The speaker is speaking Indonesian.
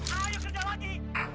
ayo kerja lagi